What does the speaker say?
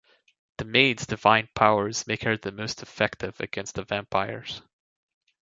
The Maid's divine powers make her the most effective against the vampires.